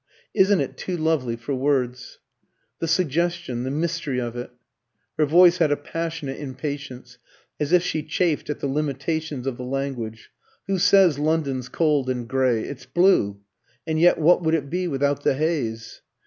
"Isn't it too lovely for words? The suggestion the mystery of it!" Her voice had a passionate impatience, as if she chafed at the limitations of the language. "Who says London's cold and grey? It's blue. And yet what would it be without the haze?"